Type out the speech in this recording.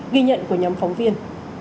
ghi nhận của nhóm phóng viên